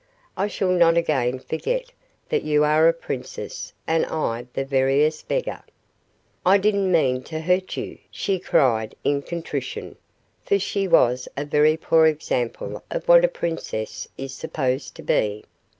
I shall not again forget that you are a princess and I the veriest beggar." "I didn't mean to hurt you!" she cried, in contrition, for she was a very poor example of what a princess is supposed to be.